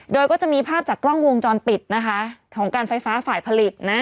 โดยก็จะมีภาพจากกล้องวงจรปิดนะคะของการไฟฟ้าฝ่ายผลิตนะ